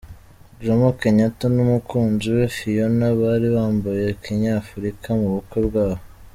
Jomo Kenyatta n’umukunzi we Fiona bari bambaye kinyafrika mu bukwe bwabo.